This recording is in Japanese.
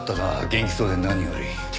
元気そうで何より。